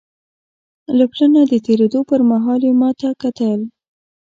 له پله نه د تېرېدو پر مهال یې ما ته کتل.